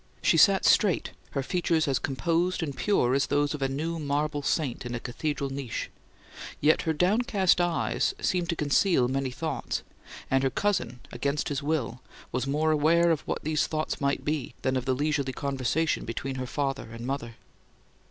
She sat straight, her features as composed and pure as those of a new marble saint in a cathedral niche; yet her downcast eyes seemed to conceal many thoughts; and her cousin, against his will, was more aware of what these thoughts might be than of the leisurely conversation between her father and mother.